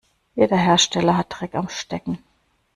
Jeder Hersteller hat Dreck am Stecken.